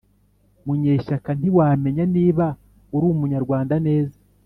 Munyeshyaka ntiwamenya niba urumunyarwanda neza